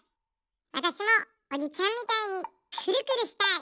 わたしもおじちゃんみたいにくるくるしたい。